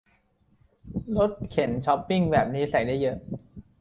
รถเข็นช้อปปิ้งแบบนี้ใส่ได้เยอะ